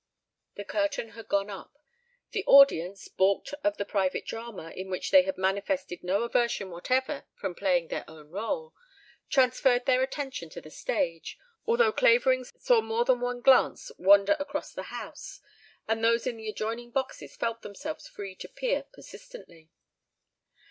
The curtain had gone up. The audience, balked of the private drama, in which they had manifested no aversion whatever from playing their own rôle, transferred their attention to the stage, although Clavering saw more than one glance wander across the house, and those in the adjoining boxes felt themselves free to peer persistently.